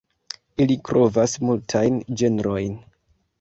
Ili kovras multajn ĝenrojn.